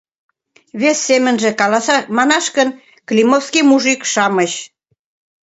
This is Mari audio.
Вес семынже манаш гын, климовский мужик-шамыч.